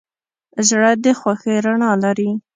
زړه د خوښۍ رڼا لري.